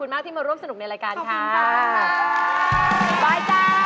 โอ้โฮรีบจั้นไปเลยได้เงินแล้วนี่